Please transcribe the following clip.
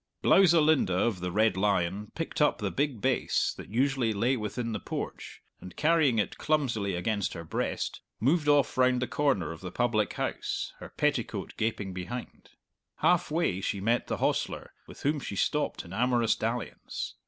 Blowsalinda, of the Red Lion, picked up the big bass that usually lay within the porch, and carrying it clumsily against her breast, moved off round the corner of the public house, her petticoat gaping behind. Halfway she met the hostler, with whom she stopped in amorous dalliance.